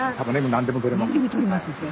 何でも取れますよ。